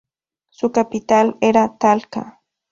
Su capital era Talca.